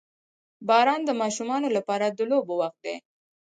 • باران د ماشومانو لپاره د لوبو وخت وي.